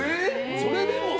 それでも。